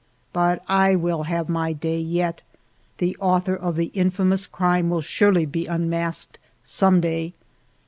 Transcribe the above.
But I will have my day yet. The author of the infamous crime will surely be unmasked some day.